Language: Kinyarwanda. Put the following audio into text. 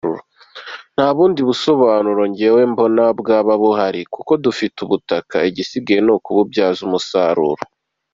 Nta bundi busobanuro njyewe mbona bwaba buhari kuko dufite ubutaka, igisigaye ni ukububyaza umusaruro.